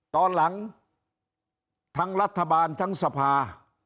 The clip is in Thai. ตอนหลังทั้งรัฐบาลทั้งสภา